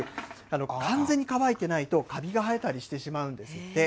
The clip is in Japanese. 完全に乾いてないと、かびが生えたりしてしまうんですって。